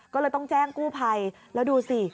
ก็เลยต้องแจ้งกู้ภัยแล้วดูสิ